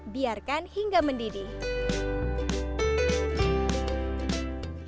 biarkan hingga mendidih